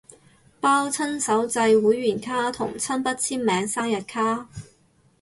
包親手製會員卡同親筆簽名生日卡